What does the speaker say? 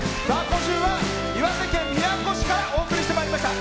今週は岩手県宮古市からお送りしてまいりました。